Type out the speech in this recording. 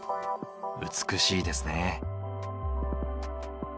美しいですね。